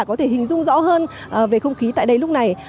có thể hình dung rõ hơn về không khí tại đây lúc này